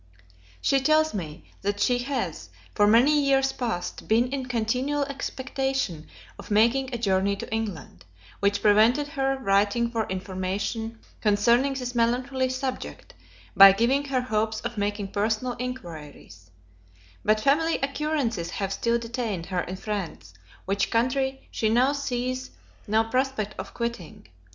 She tells me that she has, for many years past, been in continual expectation of making a journey to England, which prevented her writing for information concerning this melancholy subject, by giving her hopes of making personal inquiries; but family occurrences have still detained her in France, which country she now sees no prospect of quitting.